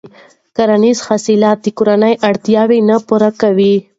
کرنیزې حاصلات د کورنیو اړتیاوې نه پوره کوي.